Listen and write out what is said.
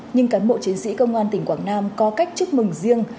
nhưng cán bộ chiến sĩ công an tỉnh quảng nam có cách chúc mừng riêng